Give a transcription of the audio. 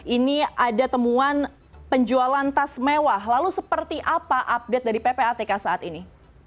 ini ada temuan penjualan tas mewah lalu seperti apa update dari ppatk saat ini